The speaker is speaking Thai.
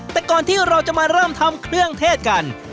แต่ก่อนที่เราจะมาเริ่มทำเครื่องเทศกัน